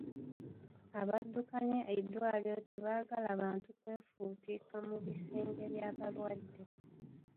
Abaddukanya eddwaliro tebaagala bantu kwefuutiika mu bisenge by'abalwadde.